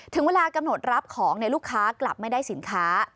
ถึงเวลากำหนดรับของลูกค้ากลับไม่ได้สินค้า